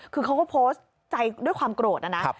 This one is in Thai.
คือเขาก็โพสต์ใจด้วยความโกรธนะนะ